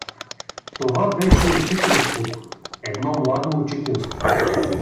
Това беше учителството — едно младо учителство.